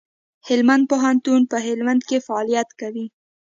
هلمند پوهنتون په هلمند کي فعالیت کوي.